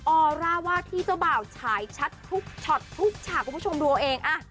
ออร่าว่าที่เจ้าบ่าวฉายชัดทุกช็อตทุกฉากคุณผู้ชมดูเอาเอง